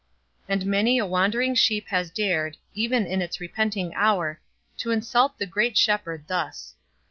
And many a wandering sheep has dared, even in its repenting hour, to insult the great Shepherd thus.